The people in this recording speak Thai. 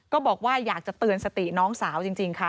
ก็บอกว่าอยากจะเตือนสติน้องสาวจริงค่ะ